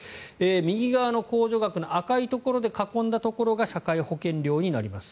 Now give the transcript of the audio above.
右側の控除額の赤いところで囲んだところが社会保険料になります。